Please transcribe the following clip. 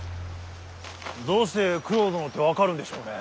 どうして九郎殿って分かるんでしょうね。